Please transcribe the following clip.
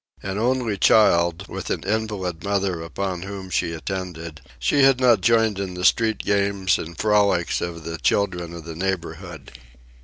An only child, with an invalid mother upon whom she attended, she had not joined in the street games and frolics of the children of the neighbourhood.